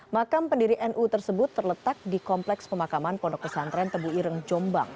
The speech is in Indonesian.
makam pendiri nu tersebut terletak di kompleks pemakaman pondok pesantren tebu ireng jombang